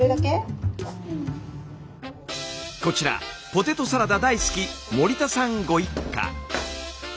こちらポテトサラダ大好き森田さんご一家。